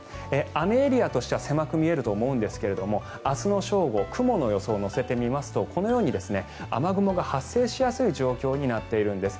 雨エリアとしては狭く見えると思いますが明日の正午雲の予想を乗せてみますとこのように雨雲が発生しやすい状況になっているんです。